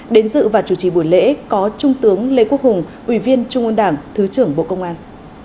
đến dự và chủ trì buổi lễ có trung tướng lê quốc hùng ủy viên trung ương đảng thứ trưởng bộ công an